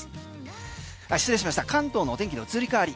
関東の天気の移り変わり。